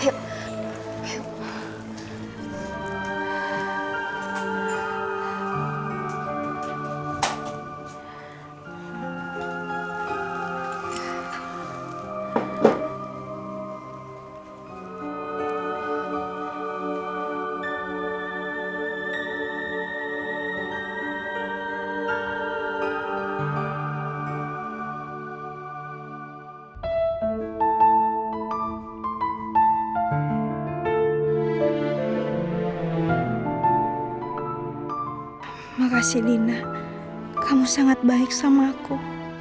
terima kasih lina kamu sangat baik sama aku